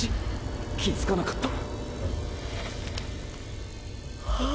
気付かなかったはああ！